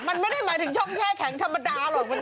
มันไม่ได้หมายถึงช่องแช่แข็งธรรมดาหรอก